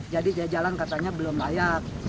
jadi jalan katanya belum layak